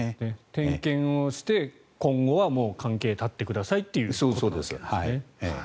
点検をして今後は関係を絶ってくださいということですよね。